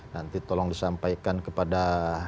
nanti tolong disampaikan kepada